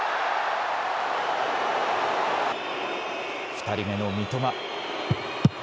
２人目の三笘。